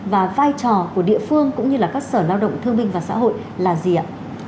và vai trò của địa phương cũng như các sở lao động thương minh và xã hội là gì ạ